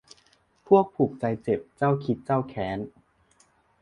พวกผูกใจเจ็บ เจ้าคิดเจ้าแค้น